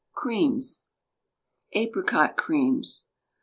CREAMS APRICOT CREAMS.